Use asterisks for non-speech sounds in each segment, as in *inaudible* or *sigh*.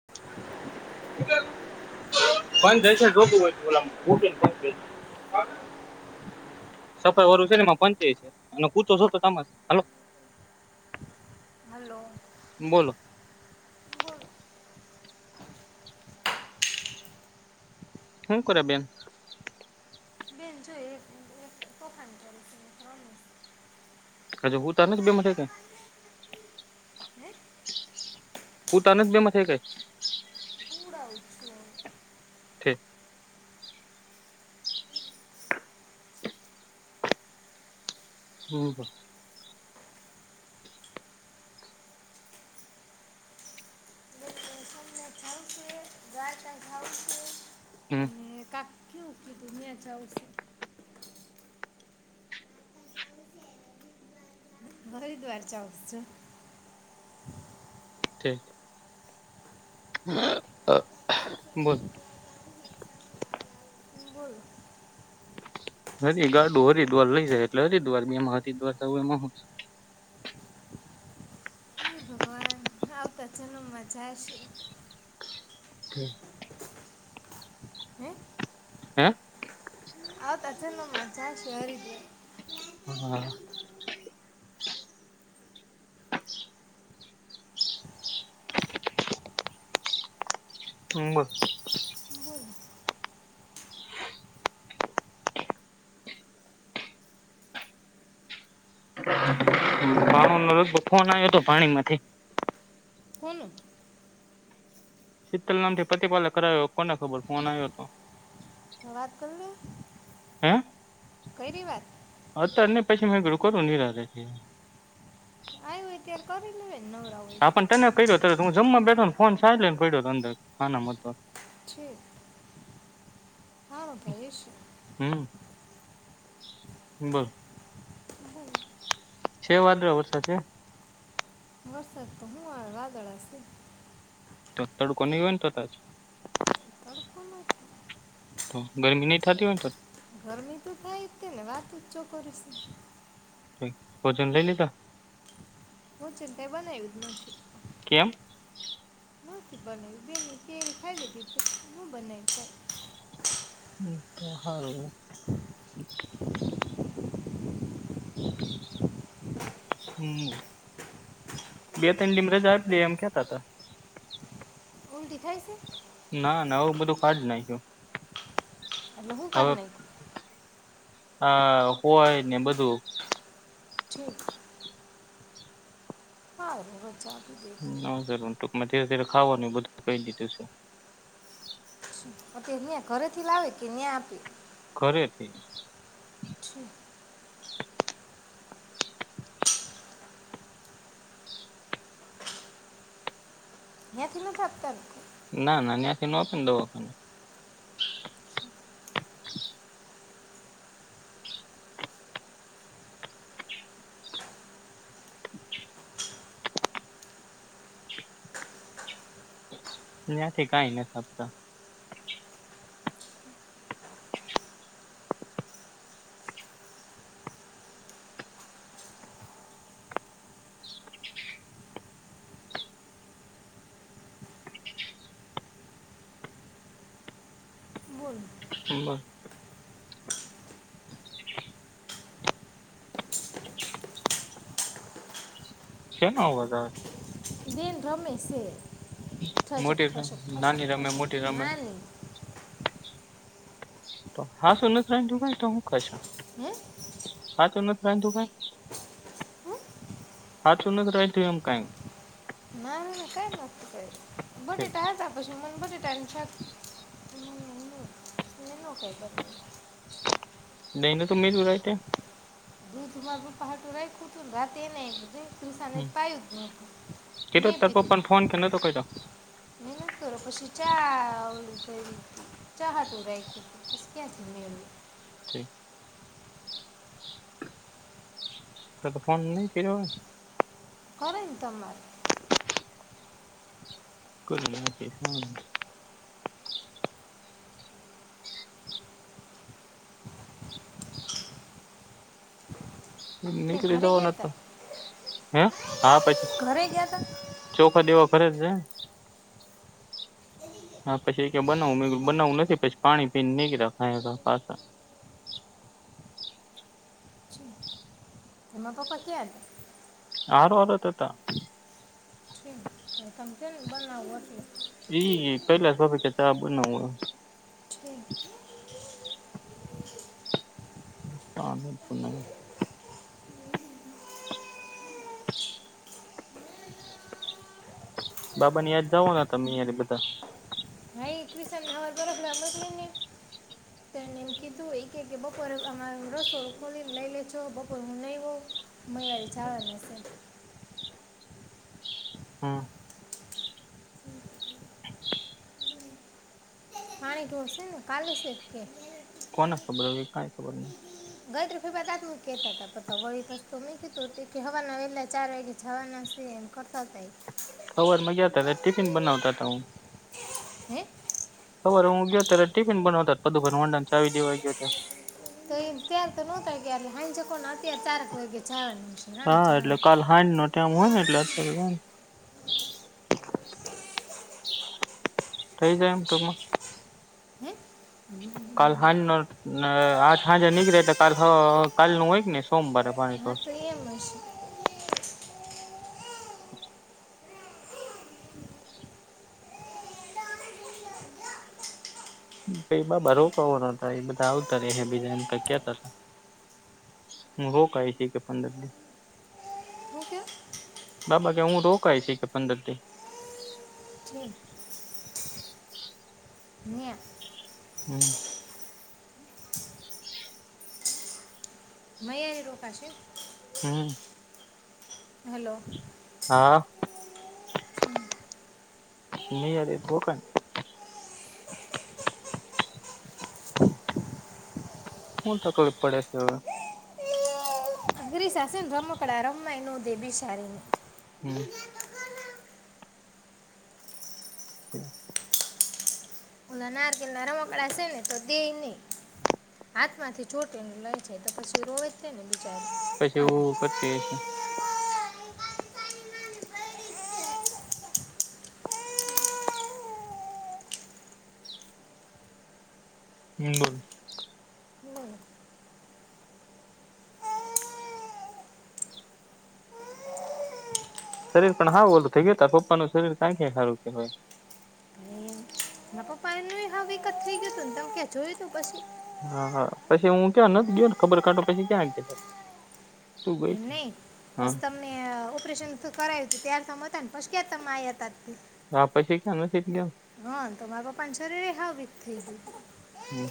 *unintelligible* *unintelligible* *inaudible* *unintelligible* હાલો. બોલો. હું કરે બેન? બેન છું, એ તોફાન કરે. હજે હું તાર બે મઠે કે *unintelligible* હું તને જ બે માંથી કઈ. કઉ છું. *unintelligible* હમ, હ. ના ખાઉ છે, ગાય તા ખાઉ છે, હમ અને કા ઓકે, ઓકે, તમે જાઉ. હરિદ્વાર જાઉં છે. બોલ. બોલો હરી ગાડું હરિદ્વાર લઈ જાય, એટલે હરિદ્વાર, એમાં હરિદ્વાર જાઉં. હે ભગવાન. આવ તો, ચાલો, મજા આવશે. હમ. હે. હે. આવતો, ચાલો મજા આવશે, હરિદ્વાર. હમ. તંબુ. બોર *unintelligible* જમી લીધું પા *inaudible* ફોન આવ્યો હતો, પાણી માંથી. કોનો? શીતલ નામથી પતિપાલે કરાવ્યો, કોને ખબર ફોન આવ્યો હતો. વાત કરને. હે. કરી વાત અત્યારે ને પછી મેંળું કરું ની નીરાંતે જ ઈએ આવ્યું હોય ત્યારે કરી લેવાય ને નવરા હોય. હા પણ તને કર્યો તો હું જમવા બેઠોને ફોન સાયલન પડ્યો હતો અંદર ખાનામાં તો છે *inaudible* હા ભાઈશ *unintelligible* હમ બોલ હ *inaudible* છે વાદળ વરસાદ છે. વરસાદ તો હું આવે વાદળા છે. તો તડકો નઈ હોય ને તોત આજ તડકો નથી. તો ગરમી નહી થાતી હોય ને તો ગરમી તો થાય જ તે ને વાત જ ચો કરીશ. કોચીન લઈ લીધા. *unintelligible* કઈ બનાવી જ નથી. કેમ નથી બનાવ્યું કેવી કેવી ખાઈ લેધું પછી હું બનાવી હમ તો હારુ હે હમ. બે ત્રણ દી માં રજા આપી દઈ એમ કેતા હતા. ઉલટી થાય છે. ના ના આવું બધું કાઢી નાખ્યું. એટલે હું કાઢ નાખ્યું. હ હોય ને બધું છે. હા રજા આપી દે. ના ઉતારવાનું ટૂંકમાં ધીરે ધીરે ખાવાનું એ બધું કઈ દીધું છે. અ અયાં ઘરે થી લાવે કે ન્યાં આપે. ઘરેથી. છે. અયાંયાથી નથ આપતા ને? ના ના નયાચુ નો તુ દવાખાનું અયા થી કાઈ નથ આપતા. બોલ. *unintelligible* સેનો અવાજ આવે. દિન રમે સે મોટી રમ નાની રમે મોટી *unintelligible* રમે નાલી તો હા સુનથરાય જો તો હું કરશો હે હા ત નથી પ્ર તું કઈ હે? હાચુ નહીં રાખ્યું એમ કાંઈ કાઈ નથ કરૂ ઠીક બટેેટા હતા પછી મેં બટેેટા છાક *inaudible* નો કેતો. નહી ન તો જ ઉરાઈ તે દૂધુમા બ પા્ટું રય કુતું રા તેં ના આ પજ તૃસા અને હમ પાયુ ને મે કીધો મેં તાર પીધું. પપ્પાને ફોન કે ન તો કયો કરો પછી ચા ચા હાટુંરાખુ. *unintelligible* ક *unintelligible* ત તો ફોન નહી કર્યો હોય. કરે ને તમારે. કર લ છે હમ. ક્યાં નીકળી ઘરે જવા ગયા નતો, હતા હે હા પછી. ઘરે ગયા હતા. ચોખા દેવા કરે ને. *inaudible* હા પછી બનાવું મે બનાવવું નથી. પછી પાણી પીને નીધખાય પાસા. હિમા પપા કેયા. હારો હતો. તમપને બનાવ છું. પેલા કે ચા બનાવ. છે અ હા બિલકુલ ન. *inaudible* બાબા ને યાદ જવઓ તમે યાર બધા. એકવીસ હવાફબ ન. તેને એમ કીધું એ કે કે બપોરે હ રસોડ ખોલી લઈ લે છો બપોર હું નઈ હું. મૈયારી ચવાના છે. હમ્મ. પાણી તો હશે ને કાલે સટ કે. કોણ ખબર હવે કઈ ખબર નથી. ગાયત્ર્રી ફ બાદાતમ કહેતા હતા વળી તો તો મેં કીધુંતે હવાના વહેલા ચાર વાગે જવાના છે એમ. કરતા જાય. સર હતા ટિફિન બનાવતા હું. હે. ખબર હું ગયો ત્યારે ટિફિન બનાવતા બધું વડા ચાવી દેવા ગયો ત્યારે. તો ત્યાર તો નોતાાર હ કો અત્યારે ત્યારેક હોય. હા એટલે કાલ. હાજ નો ટાઇમ હોય ને એટલે. થઈ જાય એમ તોમાં. હે કાલ હાન ન આ સાંજે નીકળે તો કાલ કાલ ન હોય ને સોમવારે પાણી તો. મળ બાબા રો કો ન એ બધા આવતા રે બીજા એમ ક કતા હતા. હો કઈ છે કે પંદર દ. શું કહ્યું બાબા કે હું રોકઈ છે કે પંદરથી. ી *inaudible* નહીં. હમ. રોખશે. હમ. હલો. હા. નહી જ ર ભોર હું થકો પડ સ રી સાથે ને રમકડા રમ એ ન દે બી સારીને. હમ. *inaudible* ઉ નાર કે ના રમકડા હશે ને તો દે નહી. હાથમાંથી ચોટ એ લે છે તો પછી રોવે છે ને બિચાર પછી આલા એવું કરતી *unintelligible* *unintelligible* શરીર પણ હા ઓલું થઈ ગયો તા પાપા નું શરીર કંઈક સારું કે કહેવાય. ના પપ્પાએ હ વિકત થઈ ગયોું ને ત ક્યા જોયું તું પછી હા હા પછી હું ક્યાં નથી ગયો ને ખબર કાંટો પછી ક્યાં ગયા. તું ગઈ એમ તી નહી હા. પસ તમને ઓપરેશન તો કરાયું હતું ત્યાર તમ હતા ને પછ ક્યાં તમે આવ્યા હતા તે. હ પછી કે શટ ગ હા તો મા પાપ પાંચ છો ર હ બીત થઈ જ હમ્મ.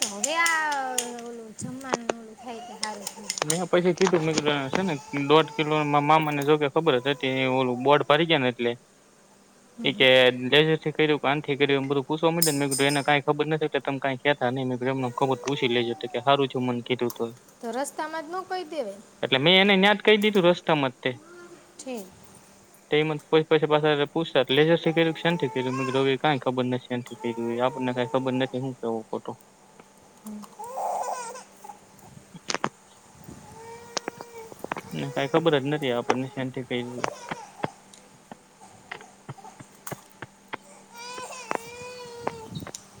તો હવે આ ઓલું જમવાનું ઓલું થાય કે સારું થયું. તં પૈસા કીધું મિત્રો છે ને દોઢ કિલો મામાને જો કે ખબર જ હતી બોર્ડ ફરી ગયા ને એટલે હામ. એ કેેરથી કર્યું કાન થી કર્યું એ બધું પૂછવા મળીને્ર એને કઈ ખબર નથી ત કઈ કેતા નહીં એમ *unintelligible* ખબર પૂછી લેજ તો કે સારું જો મન કીધું તો. તો રસ્તામાં જ નો કઈ દેવે. એટલે મેં એને ન્યાત કહી દીધું રસ્તા માં તે. છે. તે મ પ પૈસા પાસસા તો પૂછ લેજસ કે ક્ષીટું દોગ કઈ ખબર નથી શ્ ને આપણને કઈ ખબર નથી શું કેવો ફોટો ને કઈ ખબર જ નથી આપણને શાંતિ કઈ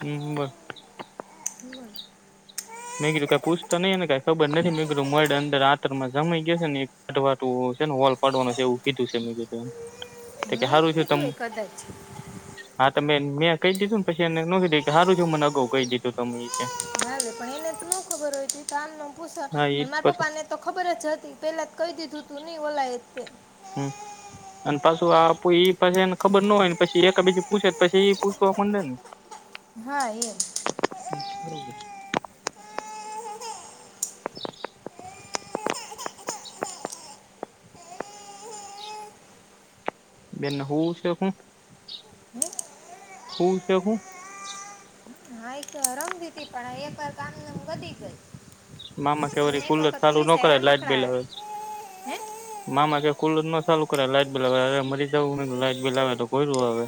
હમ્મ *unintelligible* મેગરું કઈ પૂછતો નં ને કઈ ખબર નથી મેર મડ અંદર આંતર માં જમાઈ ગયા છે ને. વાટ વાટવું છે ને વોલ પાડવાનું છે એવું કીધું છે મેં કીધુ *unintelligible* તો કે એ જ સારું છે તમ કીધું એ કદાચ હા ત મેં કહી દીધું ને પછ એને નો દી કે સારું જો મને અગાઉ કહી દીધું તમે- - હ પણ એને ન ખબર હોય ત કામ પૂછ હા ઈ મારા પાછું પપ્પા ને- - તો ખબર જ હતી પેલા કહી દીધું તું નઈ ઓલાય તે. હમ અને પાછું આપ ઈ પાછીને ખબર ના હોય ને પછી એકાબીજું પૂછે પછી એઈ પૂછવા પણ દે ને. હા એમ. *inaudible* બેન ને હું છે હું હું છે હું. *unintelligible* પણ દીધી પણ એક વાર કામ વધી ગઈ. મામા અને કેવારી એક કુલર વખત ચારુ ન ક્રિસ કરે હેરા લાઈટ બિલ મકડાય આવે. હે મામા કે કુલ જ ન ચાલુ કરે લાઈટ બિલ આવે અરે મરી જું લાઈટ બિલ આવે તો કોઈયું હવે.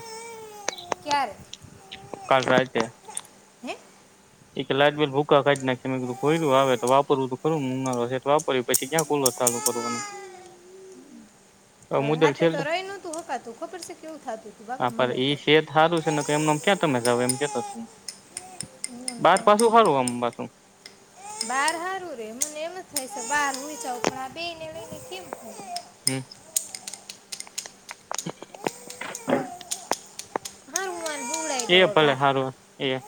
ક્યારે? કાલ રાતે. *inaudible* એક લાઈટ બિલ ભૂખકા ખાઢ નાખી મેધુંર્યું આવે તો વારવું તો ખરું ઉનારો તો વાર પછ ક્યાં- - કોલર ચાલુ કરવાનું. *inaudible* હવે મુદલ રાતે તો છેલ્લે રહી નહોતું હપાતું ખબર છે કેવું થતું હતું બાબા મને તો સારું છેને એમમ ક્યાં તમે જાવ એમ કેતો બાર પાછું સારું આમ પાછું. બહાર હારું રે મુંને એમ થાય છે બાર હુઈ જવું પણા બે ને લઈને કેમ થાય. હમ્મ. હારું મારે બોવડાઈ એ દો ભલે વગા હારું એ.